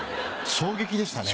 衝撃でしたね。